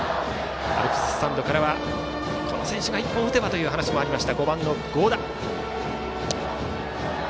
アルプススタンドからはこの選手が一本打てばという話もありました、５番の合田。